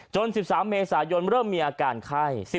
๑๓เมษายนเริ่มมีอาการไข้